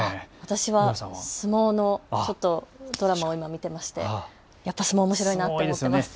私は相撲のドラマを見ていましてやっぱり相撲はおもしろいなと思っています。